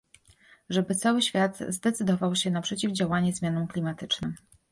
żeby cały świat zdecydował się na przeciwdziałanie zmianom klimatycznym